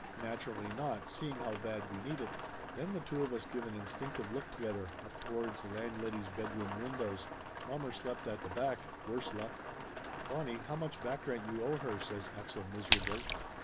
"Nat urally not, seeing how bad we need it !" Then the two of us give an instinctive look together up towards the landlady's bedroom windows. Mom mer slept at the back, worse luck. "Bonnie, how much back rent you owe her?" says Axel miserably.